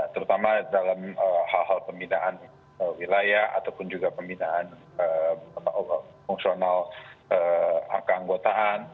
terutama dalam hal hal pembinaan wilayah ataupun juga pembinaan fungsional keanggotaan